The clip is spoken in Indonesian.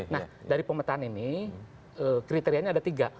nah dari pemetaan ini kriterianya ada tiga